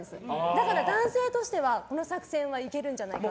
だから男性としては、この作戦いけるんじゃないかなと。